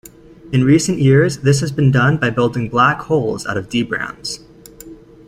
In recent years, this has been done by building black holes out of D-branes.